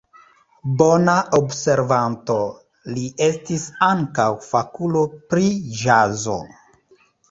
Bona observanto, li estis ankaŭ fakulo pri ĵazo.